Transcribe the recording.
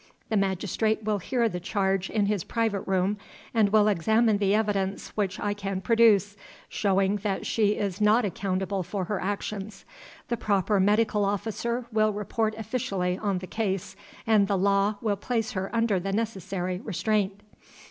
The magistrate will hear the charge in his private room, and will examine the evidence which I can produce, showing that she is not accountable for her actions. The proper medical officer will report officially on the case, and the law will place her under the necessary restraint."